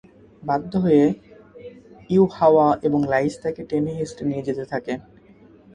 বাধ্য হয়ে ইউহাওয়া এবং লাঈছ তাকে টেনে হেঁচড়ে নিয়ে যেতে থাকে।